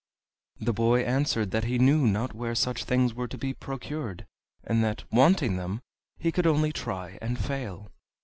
The boy answered that he knew not where such things were to be procured, and that, wanting them, he could only try and fail.